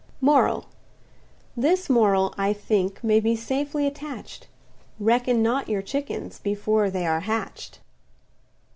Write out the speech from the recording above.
MORAL. This moral, I think, may be safely attach'd: Reckon not on your chickens before they are hatch'd.